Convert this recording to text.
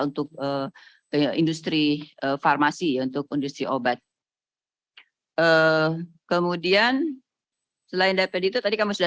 untuk industri farmasi untuk industri obat kemudian selain daped itu tadi kamu sudah